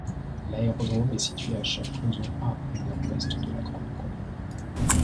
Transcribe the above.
L'aérodrome est situé à Champclauson à au Nord-Ouest de La Grand'Combe.